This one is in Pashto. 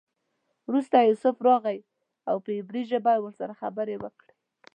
وروسته یوسف راغی او په عبري ژبه یې ورسره خبرې وکړې.